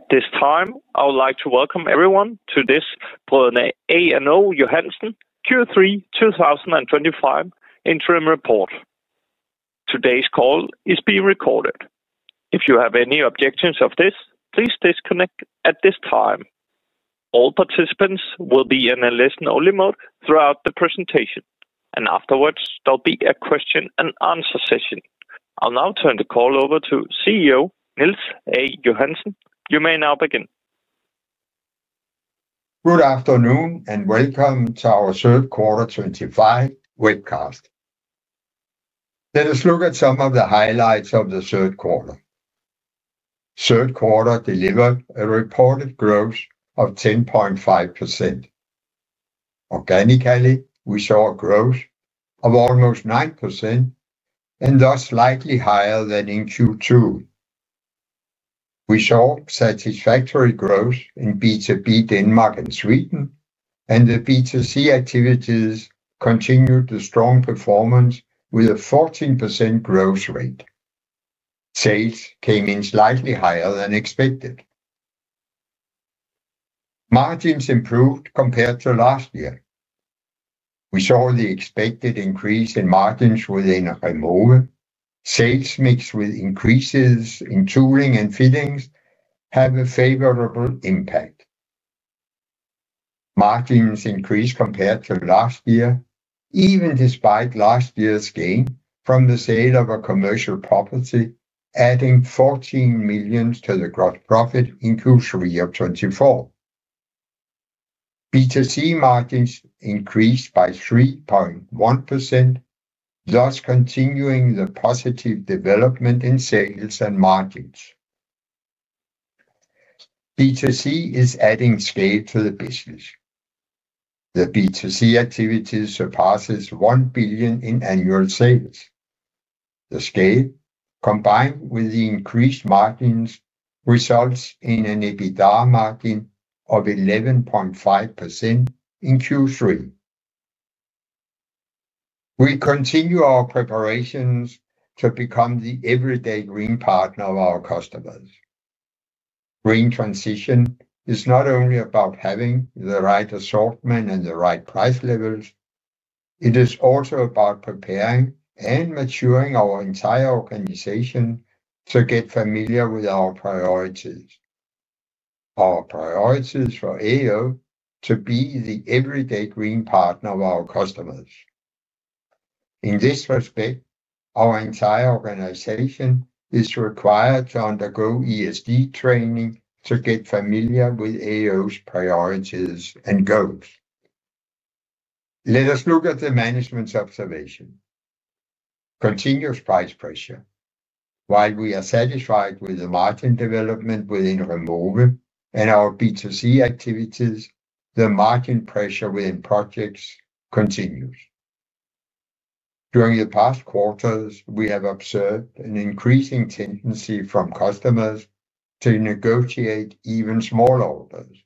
At this time I would like to welcome everyone to this Brødrene A & O Johansen Q3 2025 Interim Report. Today's call is being recorded. If you have any objections to this, please disconnect at this time. All participants will be in a listen-only mode throughout the presentation, and afterwards, there'll be a question-and-answer session. I'll now turn the call over to CEO Niels A. Johansen. You may now begin. Good afternoon, and welcome to our third quarter 2025 webcast. Let us look at some of the highlights of the third quarter. Third quarter delivered a reported growth of 10.5% organically. We saw growth of almost 9% and thus slightly higher than in Q2. We saw satisfactory growth in B2B, Denmark, and Sweden, and the B2C activities continued a strong performance with a 14% growth rate. Sales came in slightly higher than expected. Margins improved compared to last year. We saw the expected increase in margins within fittings. Sales mix with increases in tools and fittings have a favorable impact. Margins increased compared to last year even despite last year's gain from the sale of a commercial property, adding 14 million to the gross profit. In crucial year 2024, B2C margins increased by 3.1%, thus continuing the positive development in sales and margins. B2C is adding scale to the business. The B2C activity surpasses 1 billion in annual sales. The scale, combined with the increased margins, results in an EBITDA margin of 11.5% in Q3. We continue our preparations to become the everyday green partner of our customers. Green transition is not only about having the right assortment and the right price levels. It is also about preparing and maturing our entire organization to get familiar with our priorities. Our priorities for AO to be the everyday green partner of our customers. In this respect, our entire organization is required to undergo ESG training to get familiar with AO's priorities and goals. Let us look at the management's observation: Continuous Price Pressure. While we are satisfied with the margin development within fittings and our B2C activities, the margin pressure within project activities continues. During the past quarters, we have observed an increasing tendency from customers to negotiate even smaller orders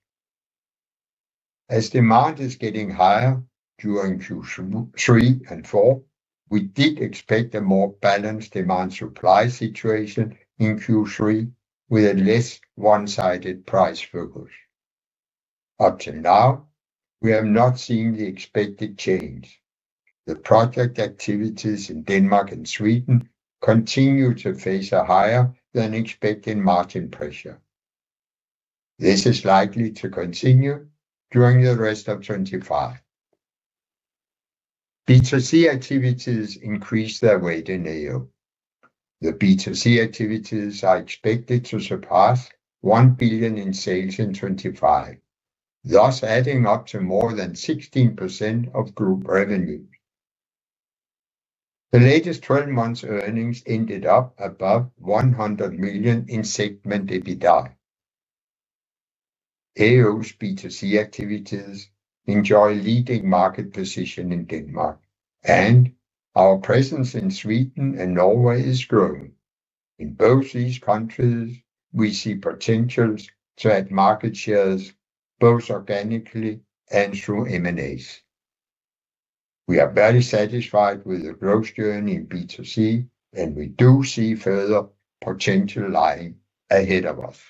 as demand is getting higher. During Q3 and Q4, we did expect a more balanced demand-supply situation in Q3 with a less one-sided price focus. Up to now, we have not seen the expected change. The project activities in Denmark and Sweden continue to face a higher-than-expected margin pressure. This is likely to continue during the rest of 2025. B2C activities increased their weight in EU. The B2C activities are expected to surpass 1 billion in sales in 2025, thus adding up to more than 16% of group revenue. The latest 12 months' earnings ended up above 100 million in segment EBITDA. AO's B2C activities enjoy leading market position in Denmark, and our presence in Sweden and Norway is growing. In both these countries, we see potential to add market shares both organically and through M&A. We are very satisfied with the growth journey in B2C, and we do see further potential lying ahead of us.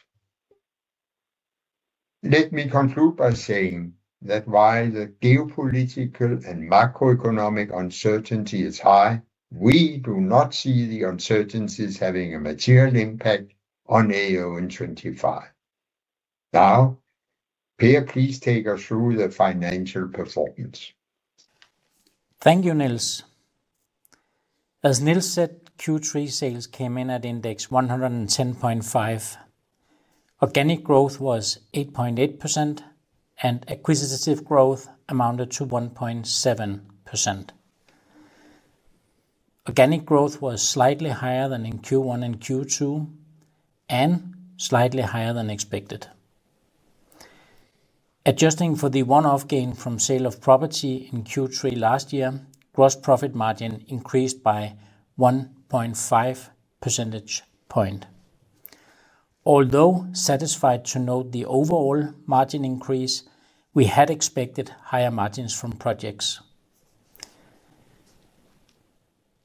Let me conclude by saying that while the geopolitical and macroeconomic uncertainty is high, we do not see the uncertainties having a material impact on AO in 2025. Now, Per, please take us through the financial performance. Thank you, Niels. As Niels said, Q3 sales came in at index 110.5, organic growth was 8.8% and acquisitive growth amounted to 1.7%. Organic growth was slightly higher than in Q1 and Q2 and slightly higher than expected. Adjusting for the one-off gain from sale of property in Q3 last year, gross profit margin increased by 1.5% points. Although satisfied to note the overall margin increase, we had expected higher margins from projects.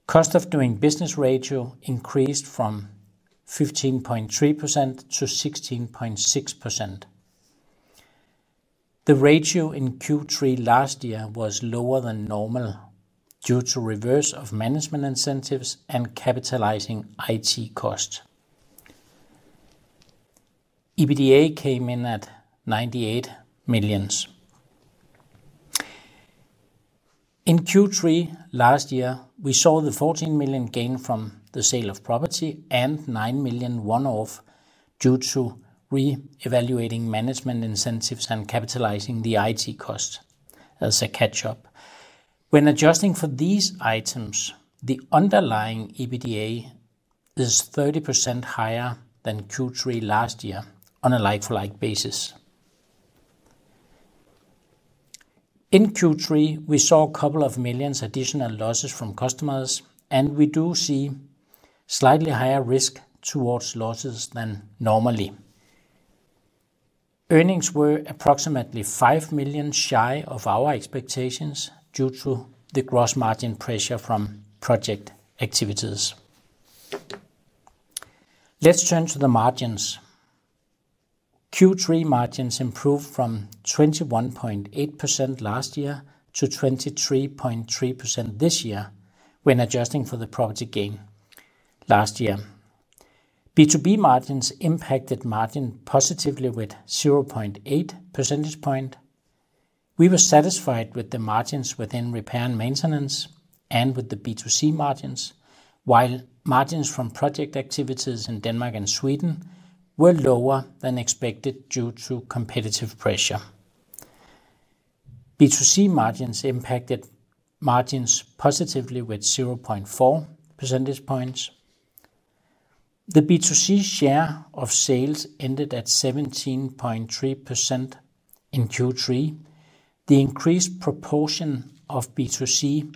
Cost of doing business ratio increased from 15.3% to 6.6%. The ratio in Q3 last year was lower than normal due to reversal of management incentives and capitalizing IT costs. EBITDA came in at DKK 98 million. In Q3 last year, we saw the 14 million gain from the sale of property and 9 million one-off due to re-evaluating management incentives and capitalizing the IT cost as a catch-up. When adjusting for these items, the underlying EBITDA is 30% higher than Q3 last year on a like-for-like basis. In Q3, we saw a couple of millions additional losses from customers and we do see slightly higher risk towards losses than normally. Earnings were approximately 5 million shy of our expectations due to the gross margin pressure from project activities. Let's turn to the margins. Q3 margins improved from 21.8% last year to 23.3% this year when adjusting for the property gain last year. B2B margins impacted margin positively with 0.8% points. We were satisfied with the margins within repair and maintenance and with the B2C margins, while margins from project activities in Denmark and Sweden were lower than expected due to competitive pressure. B2C margins impacted margins positively with 0.4% points. The B2C share of sales ended at 17.3% in Q3. The increased proportion of B2C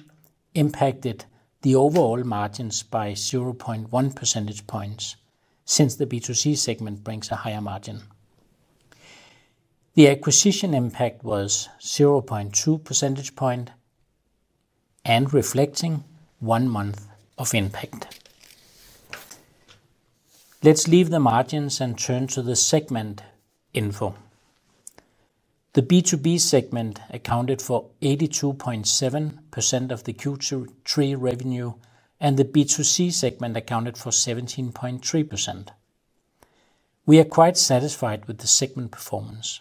impacted the overall margins by 0.1% points since the B2C segment brings a higher margin. The acquisition impact was 0.2% points and reflected one month of impact. Let's leave the margins and turn to the segment info. The B2B segment accounted for 82.7% of the Q3 revenue and the B2C segment accounted for 17.3%. We are quite satisfied with the segment performance.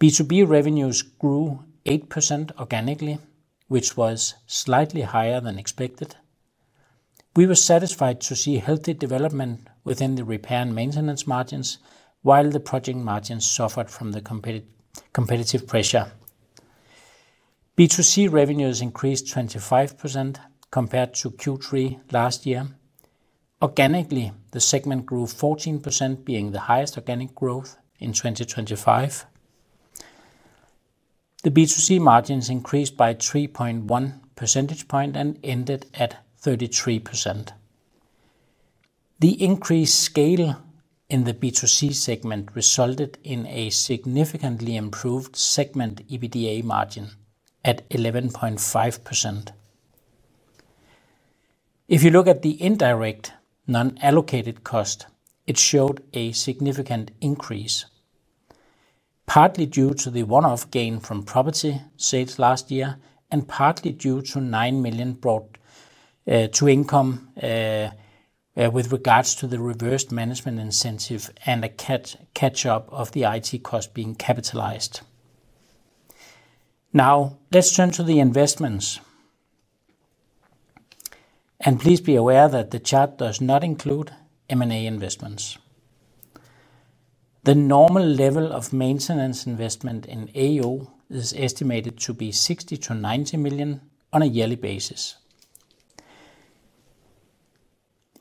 B2B revenues grew 8% organically, which was slightly higher than expected. We were satisfied to see healthy development within the repair and maintenance margins, while the project margins suffered from the competitive pressure. B2C revenues increased 25% compared to Q3 last year. Organically, the segment grew 14%, being the highest organic growth in 2023. The B2C margins increased by 3.1% points and ended at 33%. The increased scale in the B2C segment resulted in a significantly improved segment EBITDA margin at 11.5%. If you look at the indirect non-allocated cost, it showed a significant increase, partly due to the one-off gain from property sales last year and partly due to 9 million brought to income with regards to the reversed management incentive and a catch-up of the IT cost being capitalized. Now let's turn to the investments and please be aware that the chart does not include M&A investments. The normal level of maintenance investment in AO is estimated to be 60 million to 90 million on a yearly basis.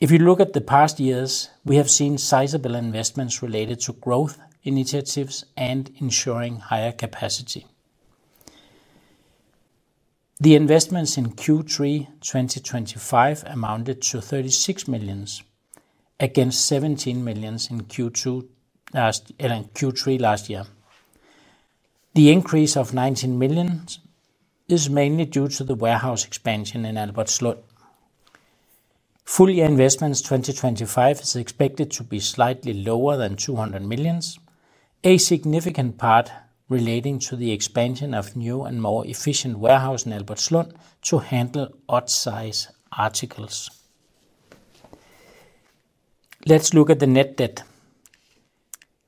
If you look at the past years, we have seen sizable investments related to growth investment initiatives and ensuring higher capacity. The investments in Q3 2025 amounted to 36 million against 17 million in Q2 and Q3 last year. The increase of 19 million is mainly due to the warehouse expansion in Albertslund. Full year investments 2025 are expected to be slightly lower than 200 million, a significant part relating to the expansion of new and more efficient warehouse in Albertslund to handle odd size articles. Let's look at the net debt.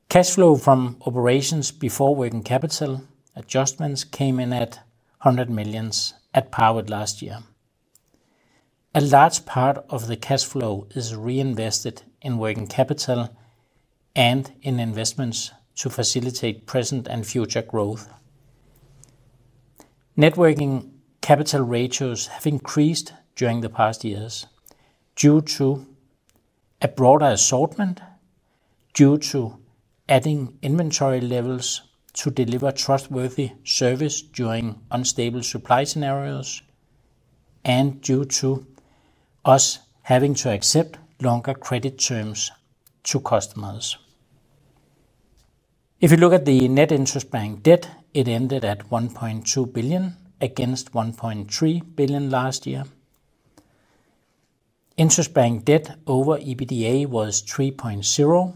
Cash flow from operations before working capital adjustments came in at 100 million at par with last year. A large part of the cash flow is reinvested in working capital and in investments to facilitate present and future growth. Net working capital ratios have increased during the past years due to a broader assortment, due to adding inventory levels to deliver trustworthy service during unstable supply scenarios, and due to us having to accept longer credit terms to customers. If you look at the net interest bank debt, it ended at 1.2 billion against 1.3 billion last year. Interest bank debt over EBITDA was 3.0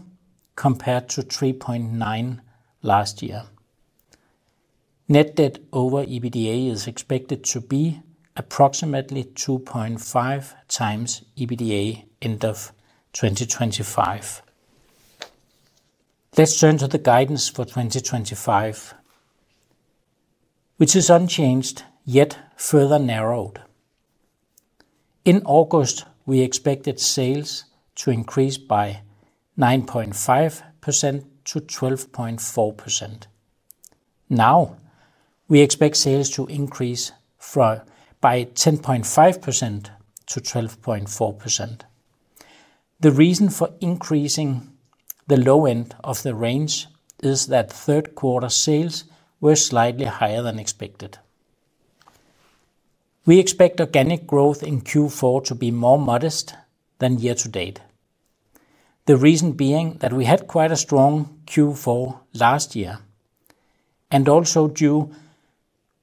compared to 3.9 last year. Net debt over EBITDA is expected to be approximately 2x EBITDA end of 2025. Let's turn to the guidance for 2025, which is unchanged yet further narrowed. In August, we expected sales to increase by 9.5%-12.4%. Now we expect sales to increase by 10.5%-12.4%. The reason for increasing the low end of the range is that third-quarter sales were slightly higher than expected. We expect organic growth in Q4 to be more modest than year to date, the reason being that we had quite a strong Q4 last year and also due to the fact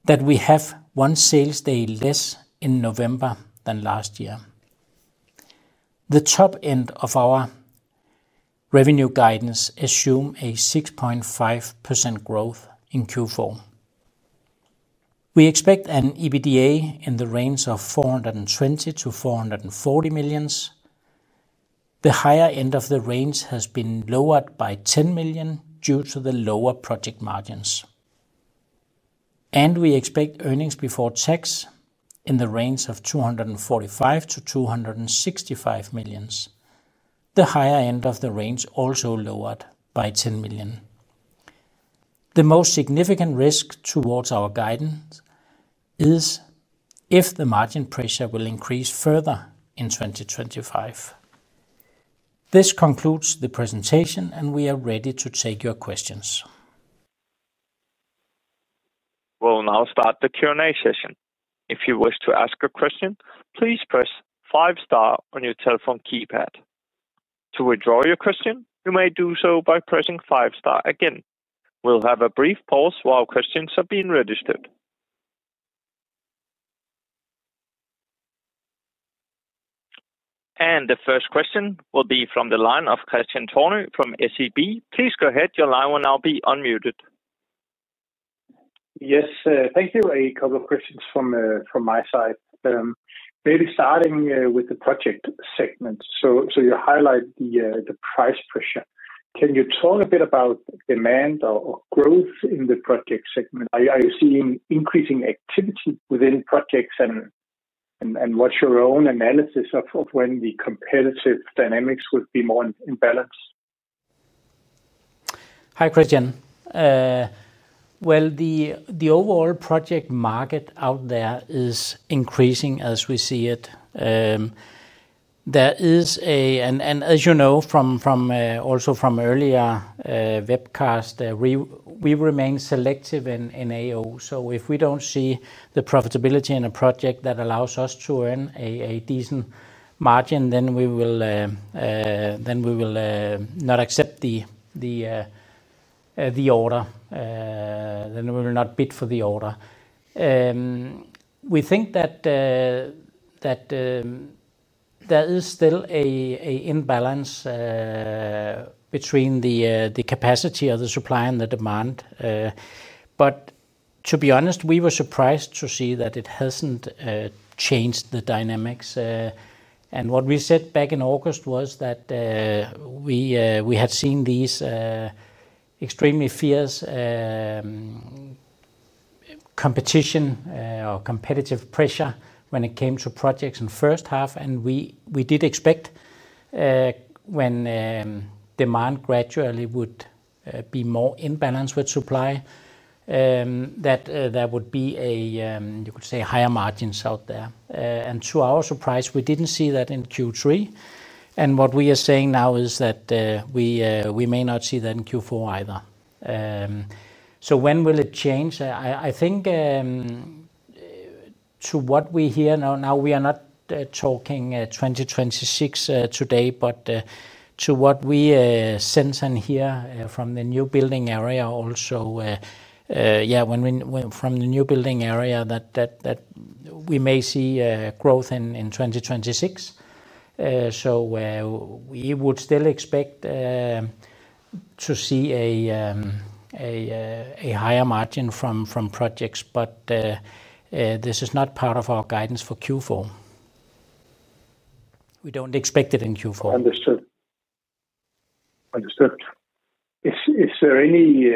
that we have one sales day less in November than last year. The top end of our revenue guidance assumes a 6.5% growth in Q4. We expect an EBITDA in the range of 420 million to 440 million. The higher end of the range has been lowered by 10 million due to the lower project margins, and we expect earnings before tax in the range of 245 million to 265 million. The higher end of the range also lowered by 10 million. The most significant risk towards our guidance is if the margin pressure will increase further in 2025. This concludes the presentation, and we are ready to take your questions. We'll now start the Q &A session. If you wish to ask a question, please press five star on your telephone keypad. To withdraw your question, you may do so by pressing five star again. We'll have a brief pause while questions are being registered, and the first question will be from the line of Christian Thålin from SEB. Please go ahead. Your line will now be unmuted. Yes, thank you. A couple of questions from my side. Maybe starting with the project segment, you highlight the price pressure. Can you talk a bit about demand or growth in the project segment? Are you seeing increasing activity within project, and what's your own analysis of when the competitive dynamics would be more imbalanced? Hi Christian, the overall project market out there is increasing as we see it and as you know also from earlier webcast, we remain selective in AO. If we don't see the profitability in a project that allows us to earn a decent margin, we will not accept the order. We will not bid for the order. We think that there is still an imbalance between the capacity of the supply and the demand. To be honest, we were surprised to see that it hasn't changed the dynamics. What we said back in August was that we had seen this extremely fierce competition or competitive pressure when it came to projects in first half, and we did expect when demand gradually would be more imbalance with supply that there would be a, you could say, higher margins out there. To our surprise, we didn't see that in Q3. What we are saying now is that we may not see that in Q4 either. When will it change? I think to what we hear now. We are not talking 2026 today, but to what we sent in here from the new building area, we may see growth in 2026. We would still expect to see a higher margin from projects. This is not part of our guidance for Q4. We don't expect it in Q4. Understood. Is there any,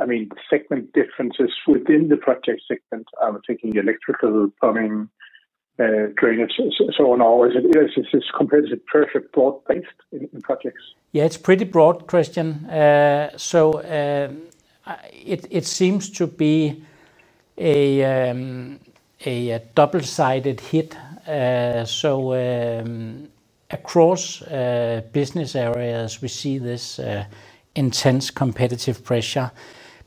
I mean, segment differences within the project segment? I'm taking electricity and lighting, plumbing, wastewater, and drainage products, and so on. Or is this comparative pressure broad-based in projects? Yeah, it's a pretty broad question. It seems to be a double-sided hit. Across business areas, we see this intense competitive pressure,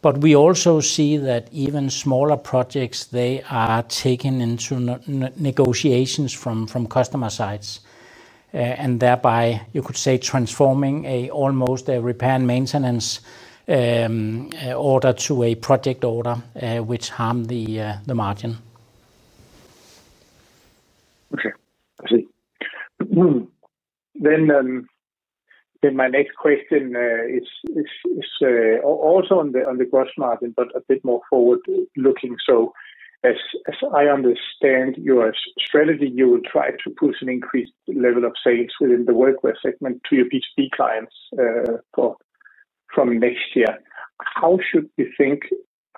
but we also see that even smaller projects are taken into negotiations from customer sides, thereby you could say transforming almost a repair and maintenance order to a project order, which harms the margin. Okay, I see. My next question is also on the gross margin, but a bit more forward-looking. As I understand your strategy, you will try to push an increased level of sales within the Workwear segment to your B2B clients from next year. How should we think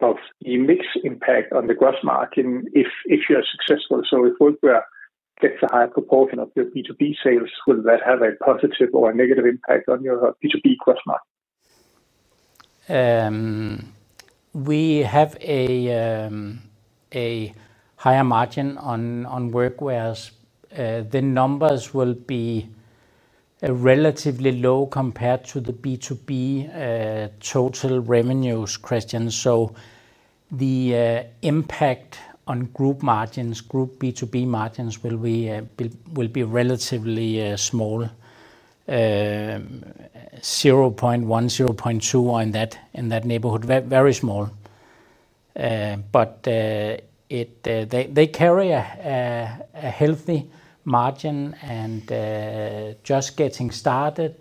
of the mix impact on the gross margin if you are successful? If Workwear gets a higher proportion of your B2B sales, will that have a positive or a negative impact on your B2B gross margin? We have a higher margin on Workwear, whereas the numbers will be relatively low compared to the B2B total revenues question. The impact on group margins, group B2B margins will be relatively small, 0.1, 0.2 in that neighborhood, very small. They carry a healthy margin and just getting started.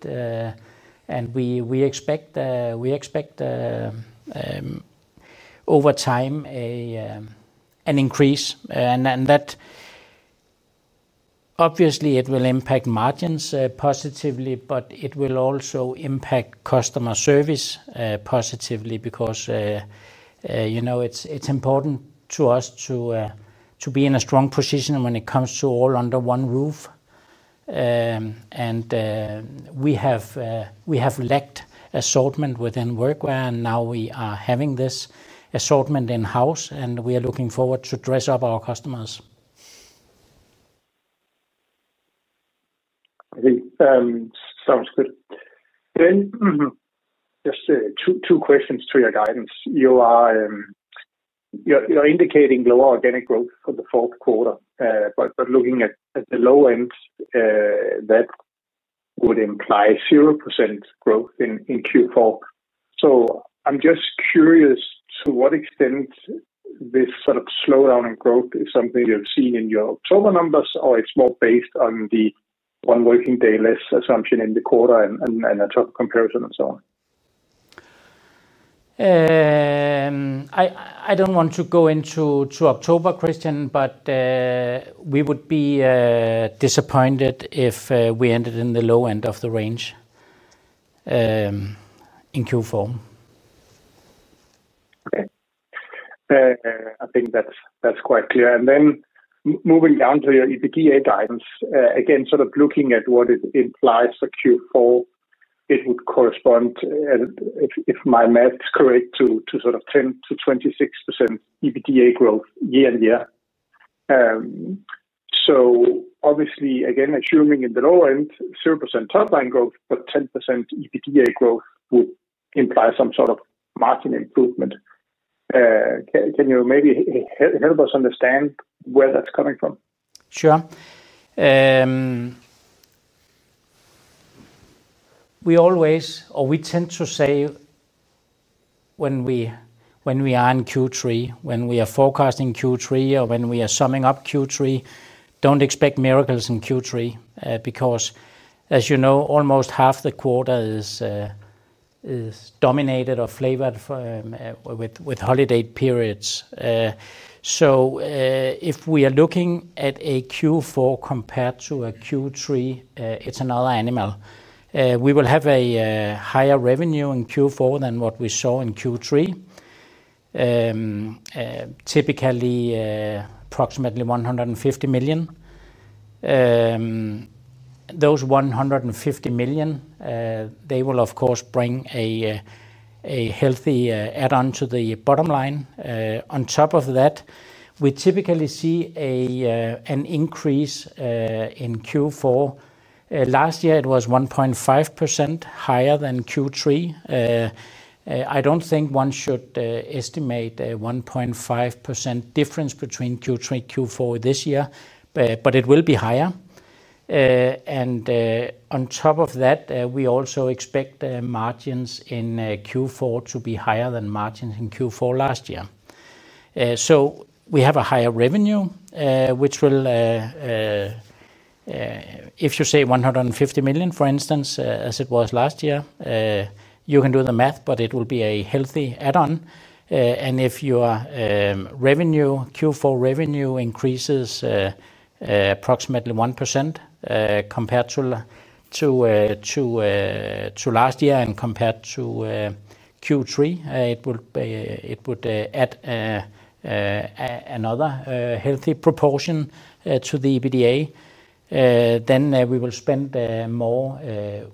We expect over time an increase and that obviously it will impact margins positively, but it will also impact customer service positively because you know, it's important to us to be in a strong position when it comes to all under one roof. We have lacked assortment within Workwear, and now we are having this assortment in-house, and we are looking forward to dress up our customers. Sounds good. Just two questions to your guidance. You are indicating low organic growth the fourth quarter, but looking at the low end, that would imply 0% growth in Q4. I'm just curious to what extent this sort of slowdown in growth is something you've seen in your October numbers, or if it's more based on the one working day less assumption in the quarter, and a total comparison and so on. I don't want to go into October, Christian, but we would be disappointed if we ended in the low end of the range in Q4. Okay, I think that's quite clear. Moving down to your EBITDA guidance, again, sort of looking at what it implies for Q4, it would correspond, if my math is correct, to sort of 10%-26% EBITDA growth year-on-year. Obviously, again, assuming in the low end, 0% top line growth, but 10% EBITDA growth would imply some sort of margin improvement. Can you maybe help us understand where that's coming from? Sure. We always or we tend to say when we are in Q3, when we are forecasting Q3 or when we are summing up Q3, don't expect miracles in Q3 because as you know, almost half the quarter is dominated or flavored with holiday periods. If we are looking at a Q4 compared to a Q3, it's another animal. We will have a higher revenue in Q4 than what we saw in Q3, typically approximately 150 million. Those 150 million will of course bring a healthy add-on to the bottom line. On top of that, we typically see an increase in Q4. Last year it was 1.5% higher than Q3. I don't think one should estimate a 1.5% difference between Q3 and Q4 this year, but it will be higher. On top of that, we also expect margins in Q4 to be higher than margins in Q4 last year. We have a higher revenue, which will, if you say 150 million, for instance, as it was last year, you can do the math, but it will be a healthy add-on. If your Q4 revenue increases approximately 1% compared to last year and compared to Q3, it would add another healthy proportion to the EBITDA. We will spend more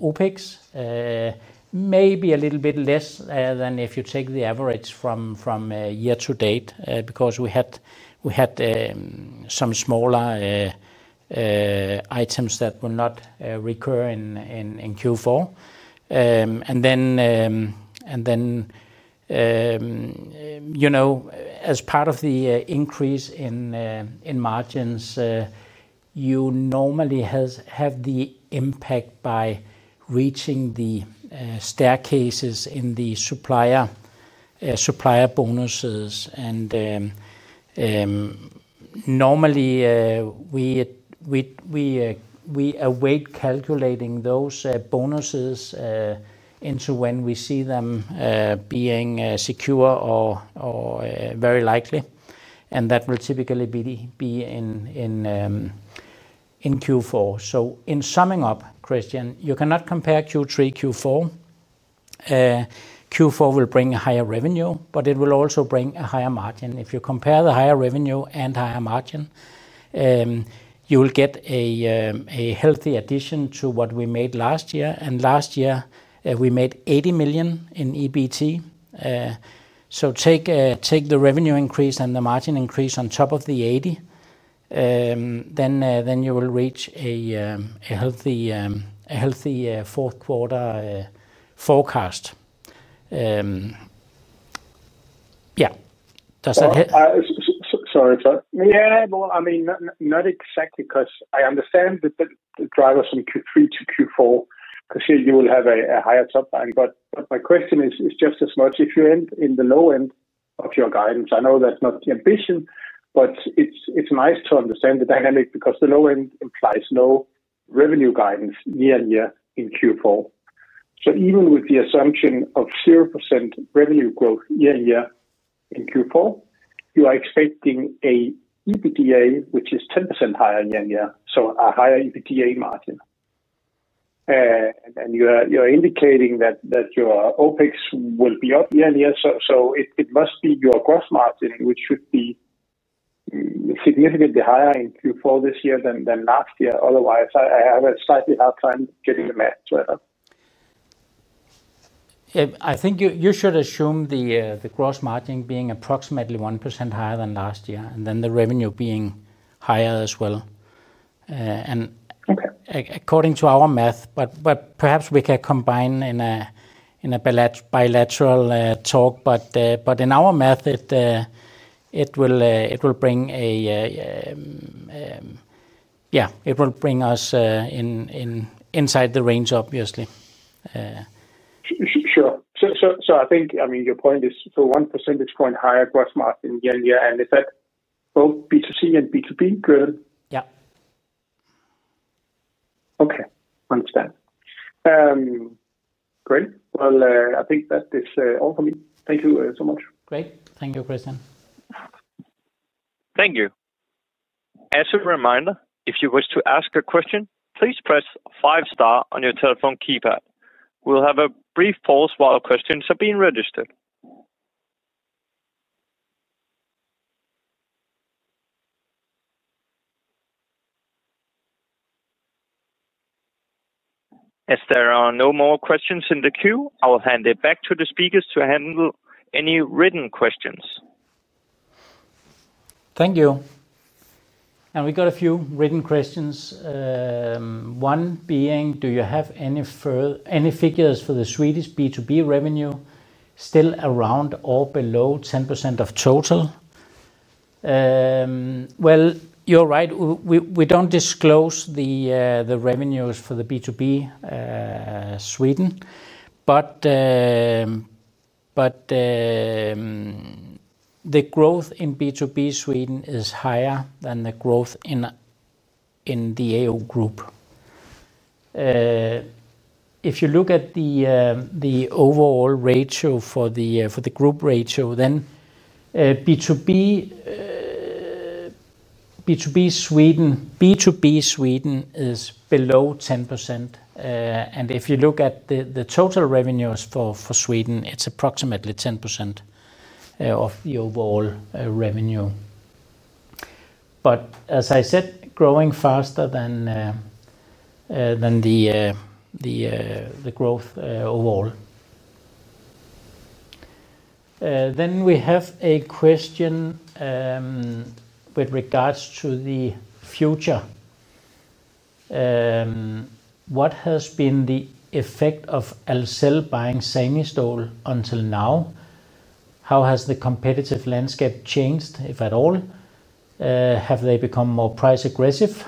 OpEx, maybe a little bit less than if you take the average from year to date, because we had some smaller items that will not recur in Q4. As part of the increase in margins, you normally have the impact by reaching the staircases in the supplier bonuses. Normally, we await calculating those bonuses until we see them being secure or very likely. That will typically be in Q4. In summing up, Christian, you cannot compare Q3 and Q4. Q4 will bring higher revenue, but it will also bring a higher margin. If you compare the higher revenue and higher margin, you will get a healthy addition to what we made last year. Last year we made 80 million in EBT. Take the revenue increase and the margin increase on top of the 80 million, then you will reach a healthy fourth quarter forecast. Yeah. Does that hit. Sorry? Yeah. I mean, not exactly, because I understand that the drivers from Q3 to Q4, because here you will have a higher top line. My question is just as much if you end in the low end of your guidance. I know that's not the ambition, but it's nice to understand the dynamic because the low end implies no revenue guidance year-on-year in Q4. Even with the assumption of 0% revenue growth year-on-year in Q4, you are expecting an EBITDA which is 10% higher in yen. Yeah, a higher EBITDA margin, and you're indicating that your OpEx will be up year-on-year. It must be your gross margin, which should be significantly higher in Q4 this year than last year. Otherwise, I have a slightly hard time getting the math. I think you should assume the gross margin being approximately 1% higher than last year, and the revenue being higher as well, according to our math. Perhaps we can combine in a bilateral talk. In our method, it will bring us inside the range, obviously. I think your point is, 1% point higher gross margin year-on-year end, is that both B2C and B2B? Yeah. Okay. Understand. Great. I think that is all for me. Thank you so much. Great. Thank you, Christian. Thank you. As a reminder, if you wish to ask a question, please press five star on your telephone keypad. We'll have a brief pause while questions are being registered. As there are no more questions in the queue, I will hand it back to the speakers to handle any written questions. Thank you. We got a few written questions. One being, do you have any further figures for the Swedish B2B revenue still around or below 10% of total? You're right, we don't disclose the revenues for the B2B Sweden, but the growth in B2B Sweden is higher than the growth in the AO group. If you look at the overall ratio for the group, then B2B Sweden is below 10%. If you look at the total revenues for Sweden, it's approximately 10% of the overall revenue, but as I said, growing faster than the growth overall. We have a question with regards to the future. What has been the effect of Ahlsell buying Sanistål until now? How has the competitive landscape changed, if at all? Have they become more price aggressive?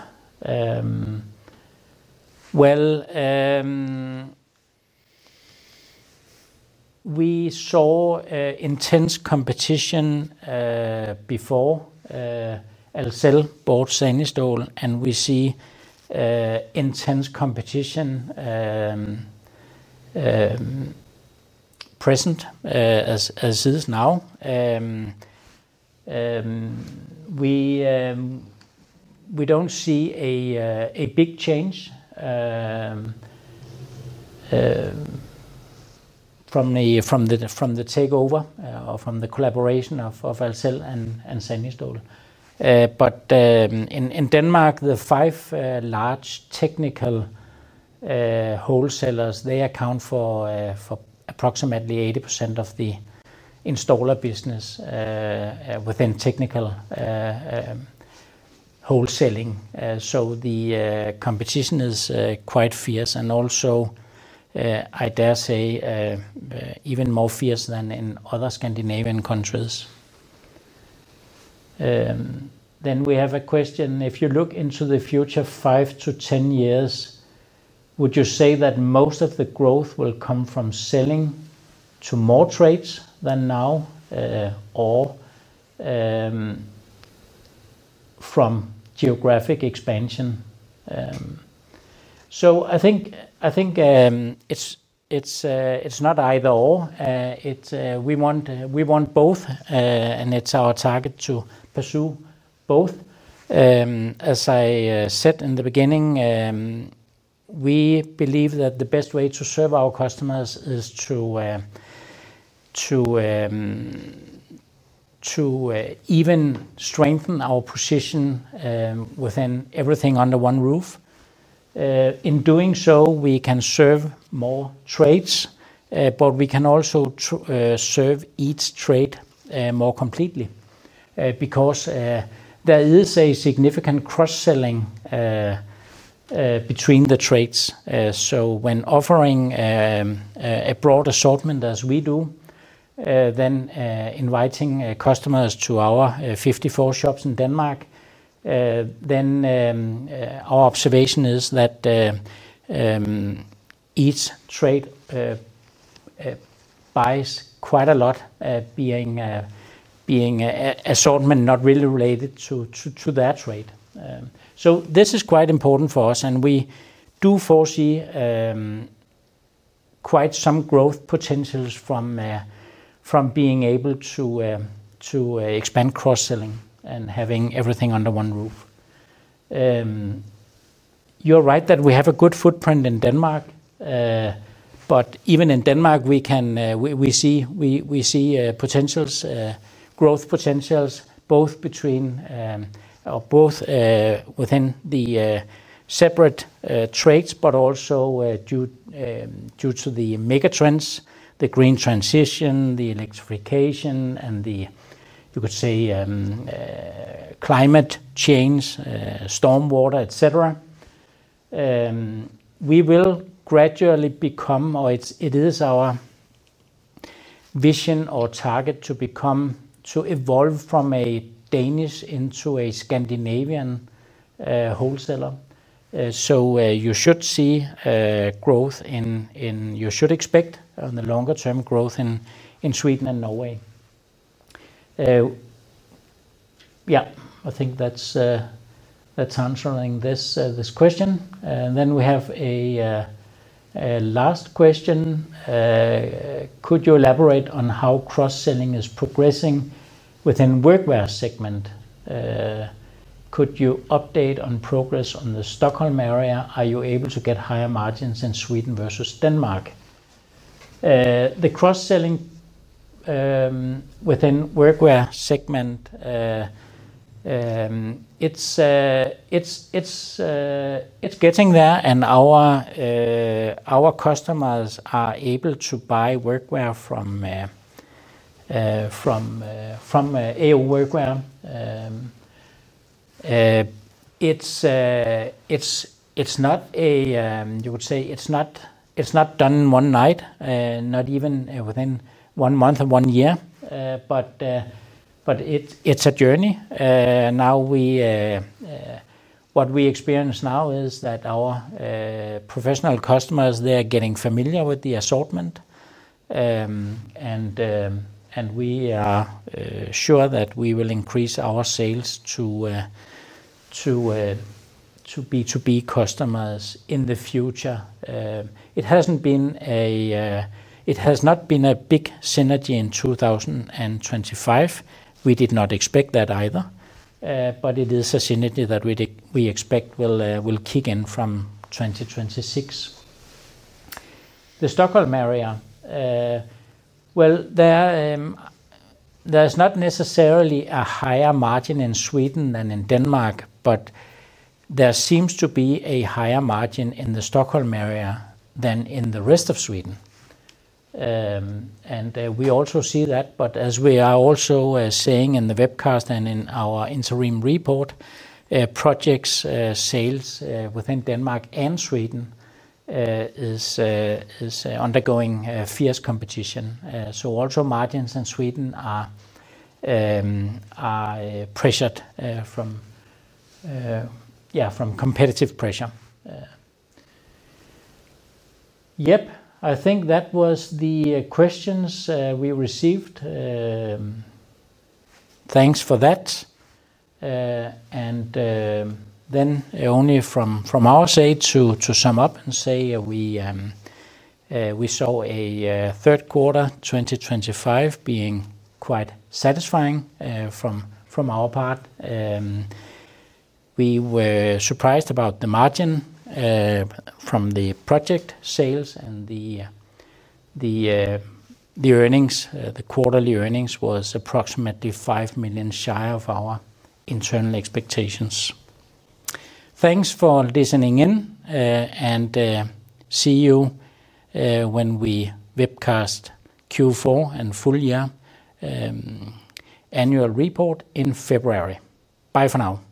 We saw intense competition before Ahlsell bought Sanistål and we see intense competition present as is. We don't see a big change from the takeover or from the collaboration of Ahlsell and Sanistål. In Denmark, the five large technical wholesalers account for approximately 80% of the installer business within technical wholesaling. The competition is quite fierce, and also I dare say even more fierce than in other Scandinavian countries. We have a question. If you look into the future five to 10 years, would you say that most of the growth will come from selling to more trades than now or from geographic expansion? I think it's not either or. We want both, and it's our target to pursue both. As I said in the beginning, we believe that the best way to serve our customers is to even strengthen our position within everything under one roof. In doing so, we can serve more trades, but we can also serve each trade more completely because there is significant cross-selling between the trades. When offering a broad assortment, as we do, then inviting customers to our 54 shops in Denmark, our observation is that each trade buys quite a lot, being assortment not really related to that trade. This is quite important for us, and we do foresee quite some growth potentials from being able to expand cross-selling and having everything under one roof. You're right that we have a good footprint in Denmark. Even in Denmark, we see growth potentials both within the separate trades, but also due to the megatrends, the green transition, the electrification, and the, you could say, climate change, stormwater, etc. We will gradually become, or it is our vision or target to become, to evolve from a Danish into a Scandinavian wholesaler. You should see growth in, you should expect the longer term growth in Sweden and Norway. I think that's answering this question. Then we have a last question. Could you elaborate on how cross-selling is progressing within the Workwear segment? Could you update on progress on the Stockholm area? Are you able to get higher margins in Sweden vs Denmark? The cross-selling within the Workwear segment, it's getting there. Our customers are able to buy Workwear from AO Workwear. It's not a, you would say, it's not done one night, not even within one month or one year, but it's a journey. What we experience now is that our professional customers, they are getting familiar with the assortment, and we are sure that we will increase our sales to B2B customers in the future. It has not been a big synergy in 2025. We did not expect that either, but it is a synergy that we expect will kick in from 2026. The Stockholm area, there is not necessarily a higher margin in Sweden than in Denmark, but there seems to be a higher margin in the Stockholm area than in the rest of Sweden and we also see that. As we are also saying in the webcast and in our interim report, project sales within Denmark and Sweden is undergoing fierce competition. Margins in Sweden are pressured from competitive pressure. I think that was the questions we received. Thanks for that. Only from our side to sum up and say we saw a third quarter 2025 being quite satisfying from our part. We were surprised about the margin from the project sales and the earnings. The quarterly earnings was approximately $5 million shy of our internal expectations. Thanks for listening in, and see you when we webcast Q4 and full-year annual report in February. Bye for now.